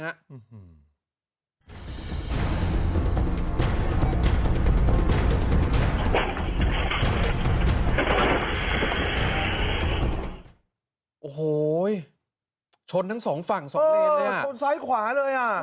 โอ้โหชนทั้งสองฝั่งสองเลนเลยชนซ้ายขวาเลยอ่ะ